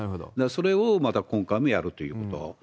それをまた今回もやるということ。